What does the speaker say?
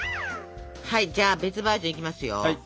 はいじゃあ別バージョンいきますよ。